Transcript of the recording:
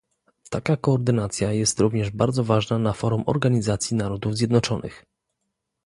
Taka koordynacja jest również bardzo ważna na forum Organizacji Narodów Zjednoczonych